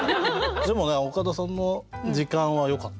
でもね岡田さんの「時間」はよかった。